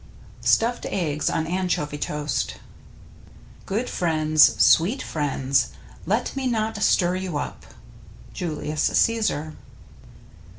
STUFFED EGGS ON ANCHOVY TOAST Good friends, sweet friends, let me not stir you up. — Julius Caesar.